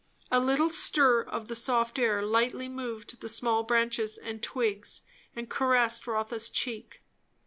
A little stir of the soft air lightly moved the small branches and twigs and caressed Rotha's cheek.